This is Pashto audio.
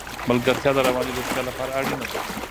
ملګرتیا د رواني روغتیا لپاره اړینه ده.